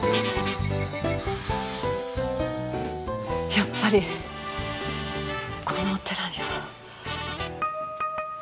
やっぱりこのお寺には。